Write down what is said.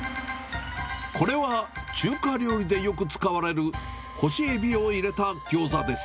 これは中華料理でよく使われる干しエビを入れたギョーザです。